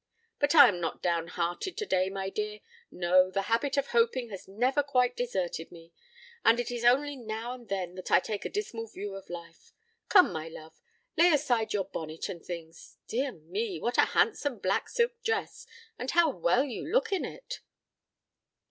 But I am not down hearted to day, my dear. No, the habit of hoping has never quite deserted me; and it is only now and then that I take a dismal view of life. Come, my love, lay aside your bonnet and things. Dear me! what a handsome black silk dress, and how well you look in it!"